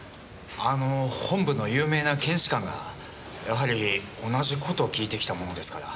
あの本部の有名な検視官がやはり同じ事を訊いてきたものですから。